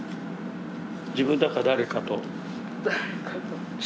自分だか誰かと。